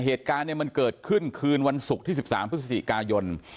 เหตุการณ์มันเกิดขึ้นคืนวันศุกร์ที่๑๓พฤศจิกายน